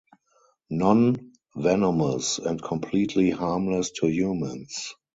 Non-venomous and completely harmless to humans.